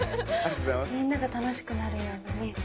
みんなが楽しくなるようなね。ね。